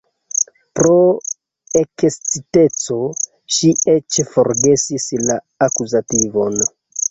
Pro eksciteco ŝi eĉ forgesis la akuzativon.